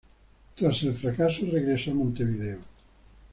Tras el fracaso, regresó a Montevideo.